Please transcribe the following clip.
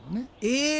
え！